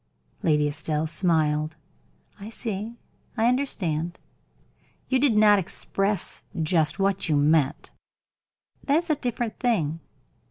Lady Estelle smiled. "I see I understand. You did not express just what you meant; that is a different thing.